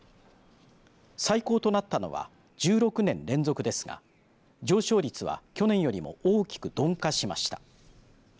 最高となったのは１６年連続ですが上昇率は、去年よりも大きく鈍化しました。